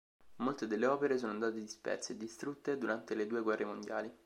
Molte delle opere sono andate disperse e distrutte durante le due guerre mondiali.